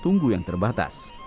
tunggu yang terbatas